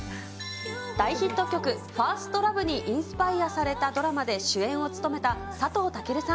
大ヒット曲、ＦｉｒｓｔＬｏｖｅにインスパイアされたドラマで主演を務めた佐藤健さん。